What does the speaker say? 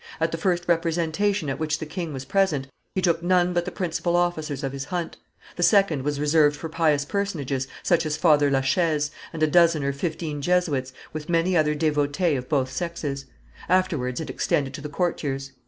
At the first representation at which the king was present, he took none but the principal officers of his hunt. The second was reserved for pious personages, such as Father La Chaise, and a dozen or fifteen Jesuits, with many other devotees of both sexes; afterwards it extended to the courtiers."